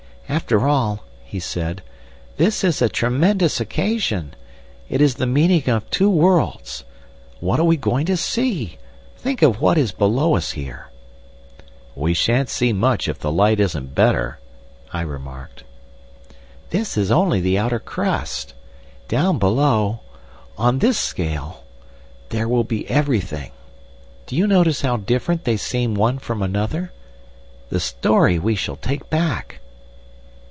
"After all," he said, "this is a tremendous occasion. It is the meeting of two worlds! What are we going to see? Think of what is below us here." "We shan't see much if the light isn't better," I remarked. "This is only the outer crust. Down below— On this scale— There will be everything. Do you notice how different they seem one from another? The story we shall take back!"